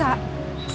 ya udah oke